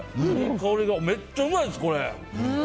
香りが、めっちゃうまいです、これ。